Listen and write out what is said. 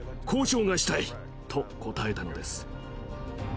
交渉がしたい」と答えたのです。